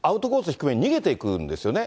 低めに逃げていくんですよね。